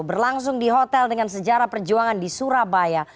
berlangsung di hotel dengan sejarah perjuangan di surabaya